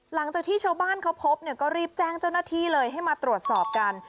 หลังจากที่ชาวบ้านเขาพบเนี่ยก็รีบแจ้งเจ้าหน้าที่เลยให้มาตรวจสอบกัน